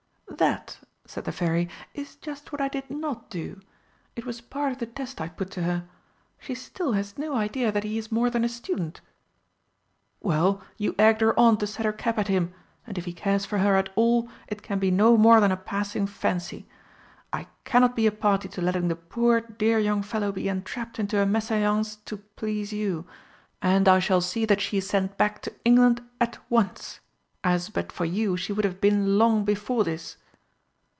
"That," said the Fairy, "is just what I did not do. It was part of the test I put to her. She still has no idea that he is more than a student." "Well, you egged her on to set her cap at him, and if he cares for her at all it can be no more than a passing fancy. I cannot be a party to letting the poor, dear young fellow be entrapped into a mésalliance to please you, and I shall see that she is sent back to England at once, as, but for you, she would have been long before this."